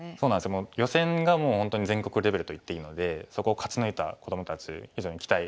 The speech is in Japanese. もう予選がもう本当に全国レベルといっていいのでそこを勝ち抜いた子どもたち非常に期待できますね。